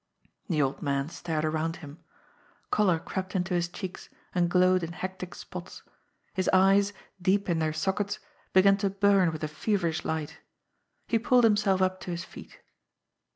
The old man stared around him. Colour crept into his cheeks and glowed in hectic spots. His eyes, deep in their sockets, began to burn with a feverish light. He pulled him self up to his feet.